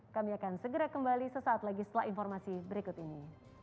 kami akan segera kembali sesaat lagi setelah informasi berikut ini